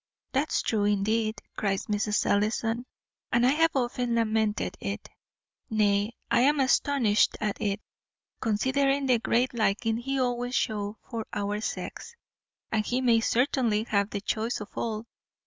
"That's true, indeed," cries Mrs. Ellison, "and I have often lamented it; nay, I am astonished at it, considering the great liking he always shews for our sex, and he may certainly have the choice of all.